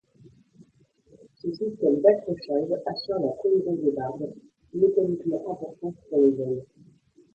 Ce système d'accrochage assure la cohésion des barbes, mécaniquement importante pour le vol.